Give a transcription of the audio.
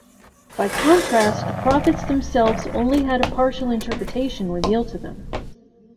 By contrast, the prophets themselves only had a partial interpretation revealed to them.